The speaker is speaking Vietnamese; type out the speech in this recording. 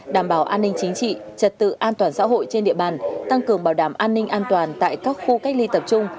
đảm bảo an ninh chính trị trật tự an toàn xã hội trên địa bàn tăng cường bảo đảm an ninh an toàn tại các khu cách ly tập trung